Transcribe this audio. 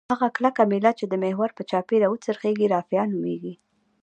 هغه کلکه میله چې د محور په چاپیره وڅرخیږي رافعه نومیږي.